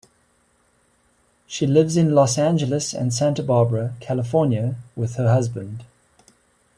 She lives in Los Angeles and Santa Barbara, California with her husband.